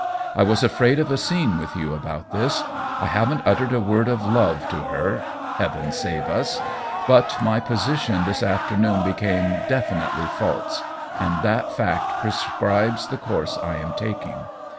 I was afraid of a scene with you about this. I haven't uttered a word of *love' to her (Heaven save us !), but my position this afternoon became definitely false, and that fact prescribes the course I am taking.